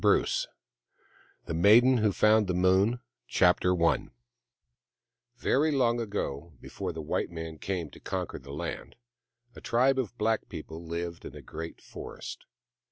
VIII THE MAIDEN WHO FOUND THE MOON Chapter I VERY long ago, before the white man came to conquer the land, a tribe of black people lived in a great forest.